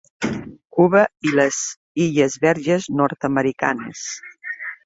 Cuba i les illes Verges Nord-americanes.